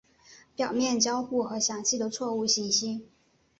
表面交互和详细的错误信息。